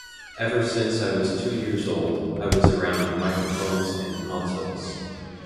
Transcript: Ever since I was two years old I was around microphones and consoles.